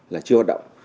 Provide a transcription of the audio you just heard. là chưa hoạt động